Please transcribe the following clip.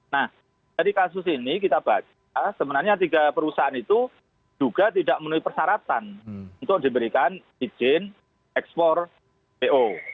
nah dari kasus ini kita baca sebenarnya tiga perusahaan itu juga tidak memenuhi persyaratan untuk diberikan izin ekspor po